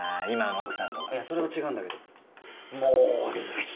今の奥さんとかいやそれは違うんだけどもうさ